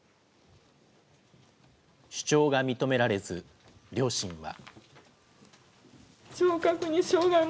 主張が認められず、両親は。